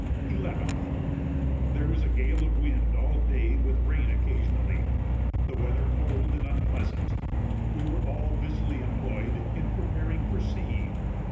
11th. There was a gale of wind all day with rain occasionally the weather cold and unpleasant. We were all busily employed in preparing for sea.